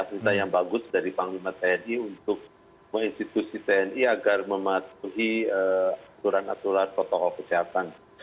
cerita yang bagus dari panglima tni untuk menginstitusi tni agar mematuhi aturan aturan protokol kesehatan